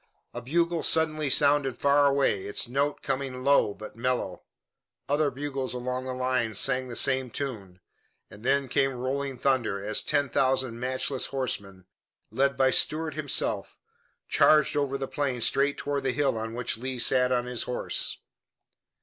A bugle suddenly sounded far away, its note coming low, but mellow. Other bugles along the line sang the same tune, and then came rolling thunder, as ten thousand matchless horsemen, led by Stuart himself, charged over the plain straight toward the hill on which Lee sat on his horse.